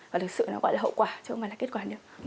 và thực sự nó gọi là hậu quả chứ không phải là kết quả nữa